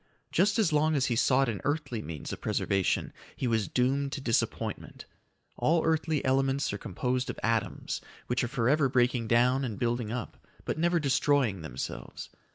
Just as long as he sought an earthly means of preservation, he was doomed to disappointment. All earthly elements are composed of atoms which are forever breaking down and building up, but never destroying themselves.